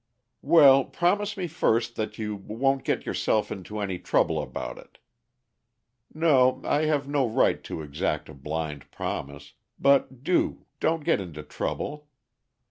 "Well, promise me first that you won't get yourself into any trouble about it no, I have no right to exact a blind promise but do don't get into trouble.